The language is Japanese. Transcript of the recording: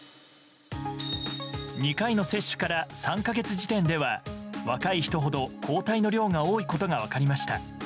２回の接種から３か月時点では若い人ほど抗体の量が多いことが分かりました。